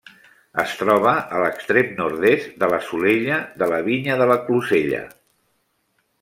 Es troba a l'extrem nord-est de la Solella de la Vinya de la Closella.